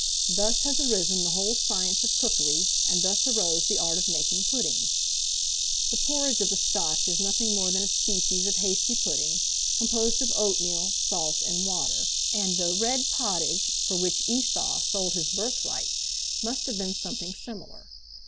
Thus has arisen the whole science of cookery, and thus arose the art of making puddings. The porridge of the Scotch is nothing more than a species of hasty pudding, composed of oatmeal, salt, and water; and the "red pottage" for which Esau sold his birthright, must have been something similar.